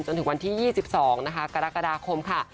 จนถึงวันที่๒๒นะคะกรกฎาคมค่ะ